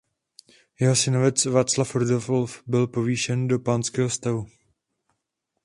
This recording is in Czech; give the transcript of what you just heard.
Jeho synovec Václav Rudolf byl povýšen do panského stavu.